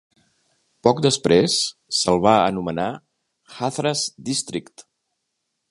Poc després, se'l va anomenar Hathras District.